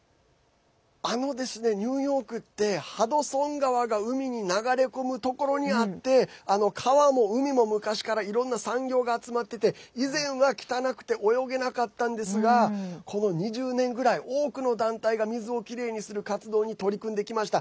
ニューヨークってハドソン川が海に流れ込むところにあって川も海も昔からいろんな産業が集まってて以前は汚くて泳げなかったんですがこの２０年ぐらい、多くの団体が水をきれいにする活動に取り組んできました。